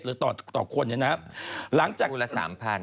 หรือต่อคนเนี่ยนะครับ